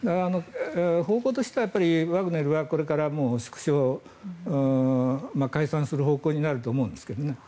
方向としてはワグネルはこれから縮小、解散する方向になると思うんですけどね。